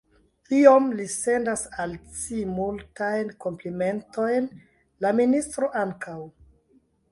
Iom; li sendas al ci multajn komplimentojn; la ministro ankaŭ.